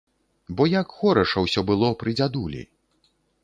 Бо як хораша ўсё было пры дзядулі!